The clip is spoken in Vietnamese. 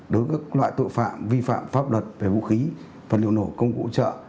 đối với các loại tội phạm vi phạm pháp luật về vũ khí vật liệu nổ công cụ trợ